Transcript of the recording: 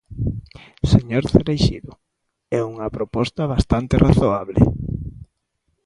Señor Cereixido, é unha proposta bastante razoable.